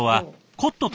コット。